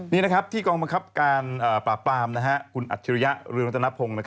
นี่นะครับที่กองบังคับการปราบปรามคุณอัจฉริยะเรืองรัตนพงศ์